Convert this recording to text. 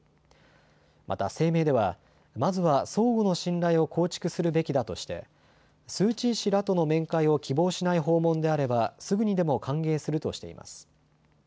また声明ではまずは相互の信頼を構築するべきだとしてスー・チー氏らとの面会を希望しない訪問であればすぐにでも歓迎するとしています。